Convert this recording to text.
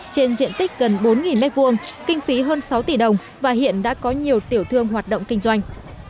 trên diện tích gần bốn m hai kinh phí hơn sáu tỷ đồng và hiện đã có nhiều tiểu thương hoạt động kinh doanh